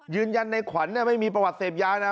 ยืนยันในขวัญไม่มีประวัติเสพยานะ